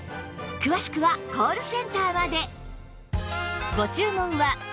詳しくはコールセンターまで